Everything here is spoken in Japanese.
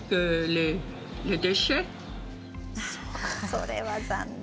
それは残念。